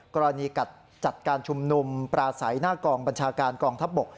กรณีกัดจัดการชุมนุมปราศัยหน้ากองบัญชาการกองทัพบก